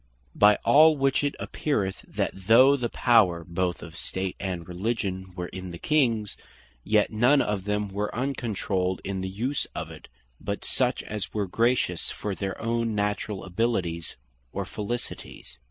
By all which it appeareth, that though the power both of State and Religion were in the Kings; yet none of them were uncontrolled in the use of it, but such as were gracious for their own naturall abilities, or felicities.